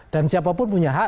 dan siapapun punya hak